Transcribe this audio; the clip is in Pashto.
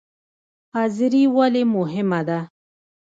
حاضري ولې مهمه ده؟